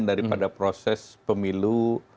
daripada proses pemilu